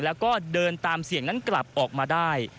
แล้วก็เดินตามเสียงนั้นกลับออกมาได้